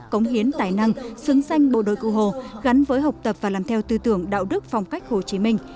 cống hiến tài năng xứng danh bộ đội cụ hồ gắn với học tập và làm theo tư tưởng đạo đức phong cách hồ chí minh